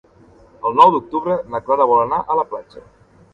El nou d'octubre na Clara vol anar a la platja.